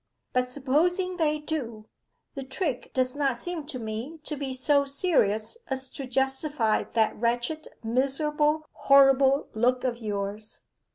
'But supposing they do, the trick does not seem to me to be so serious as to justify that wretched, miserable, horrible look of yours.